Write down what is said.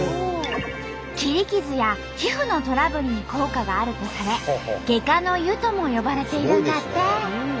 切り傷や皮膚のトラブルに効果があるとされ「外科の湯」とも呼ばれているんだって。